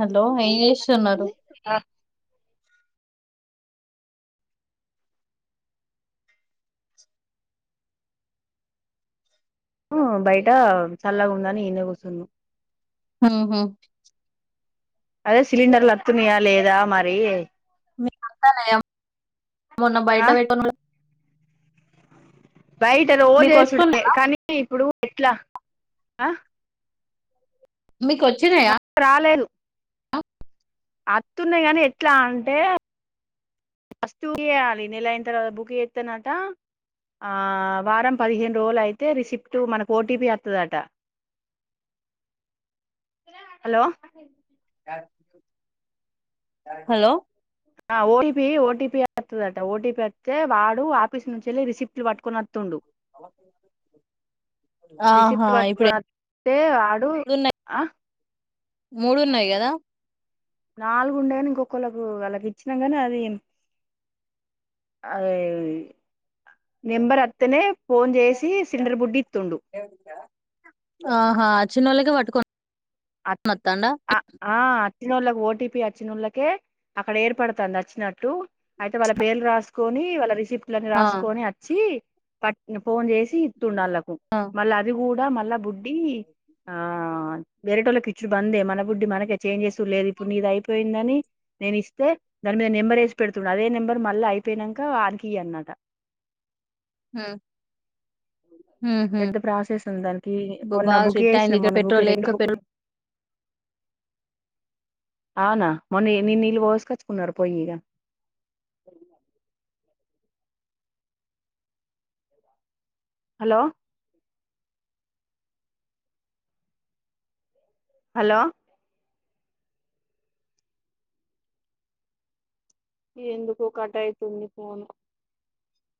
hello ఏయి చేసిన్నారు బయట చల్లగా ఉందాని ఈన్న కూర్చున్నా హహా అదే స సిలిండర్లత్తునయా లేదా మరి మీ అంత మొన్న బయట ఆ పెటుని బయట మీకు వస్తున్నా రోజేసుడే కానీ ఇప్పుడు ఎట్లా ఆ మీకు కొ మా రాలేను అతున్నాయి కాని ఎట్లా అంటే వస్తు బ చేయాలి నెల అయిన తర్వాత బుక్ చేస్తానట వారం పదిహేను రోజులు అయితే రిసిప్ట్ మనకు ఓటీపీ అస్తుందట హలో హలో ఓటీపీ ఓటీపీ వస్తుదట ఓటీపీ వస్తే వాడు ఆఫీస్ నుంచి వెళ్ళి రిసిప్ట్ పట్టుకుని ఆహా ప ఇప్పుడు ర ప అడు ఎప్పుడున్నాయి ఆ మూడు ఉన్నాయి కదా నాలుగు ఉండేయని ఇంకొకళ్ళకి వాళ్ళకి ఇచ్చినాం నీ అది అద నెంబర్ అత్తనే ఫోన్ చేసి సిలిండర్ బుడ్డి ఇత్తుండు ఆహా చిన్నోలకి వట్టుక అ ఆ వచ్చినోళ్ళకి ఓటీపీ వచ్చినోళ్ళకే అక్కడ ఏర్పడుతుంది వచ్చినట్టు అయితే వాళ్ళ పేర్లు రా కొని వాళ్ళ రిసిప్ట్లన్నీ ఆ రాసుకొని వచ్చి ప ఫోన్ చేసి తు నళ్లకు ఆ మళ్ళీ అది కూడా మళ్ళా బుడ్డి ఆ వేరటోలకిిచ్చు బందే మన బుడ్డి మనకే చేంజెస్ లేదు ఇప్పుడు నీది అయిపోయిందని నేను ే దాని మీద నెంబర్ వేసి పెడుతుండడు అదే నెంబర్ మళ్ళీ అయిపోయినాక ఆనకి అన్నట ఆ అ పెద్ద ప్రాసెస్ ఉంది దానికి మొన్న బాగా బుక్ స్ట్రిక్ట్ అయింది చేసినాం ఇక్కడ మొన్న బుక్ పెట్రోల్ రెండు ఎక్క పె బుక్లు అవునా మొన్న నిన్న నీళ్ళు పోసుకొచ్చుకున్నారు పోొయయి్యిక హలో హలో ఎందుకు కట అయితుంది ఫను